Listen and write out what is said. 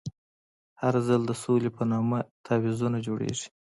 هر ځل د سولې په نامه تعویضونه جوړېږي.